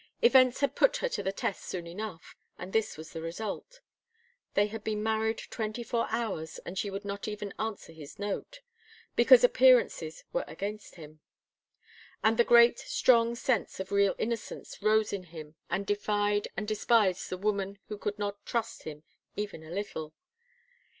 Events had put her to the test soon enough, and this was the result. They had been married twenty four hours, and she would not even answer his note, because appearances were against him. And the great, strong sense of real innocence rose in him and defied and despised the woman who could not trust him even a little.